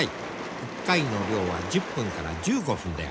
１回の漁は１０分から１５分である。